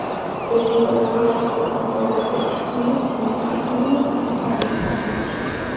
Su estilo vocal ha sido comparado a Bessie Smith, Memphis Minnie y Aretha Franklin.